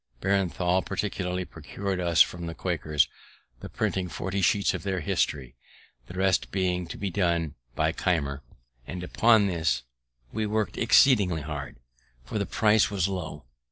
Breintnal particularly procur'd us from the Quakers the printing forty sheets of their history, the rest being to be done by Keimer; and upon this we work'd exceedingly hard, for the price was low.